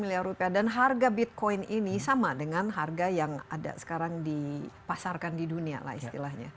lima puluh miliar rupiah dan harga bitcoin ini sama dengan harga yang ada sekarang dipasarkan di dunia lah istilahnya